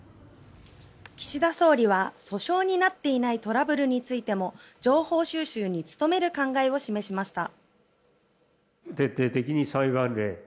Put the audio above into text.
岸田総理は訴訟になっていないトラブルについても情報収集に努める考えを示しました。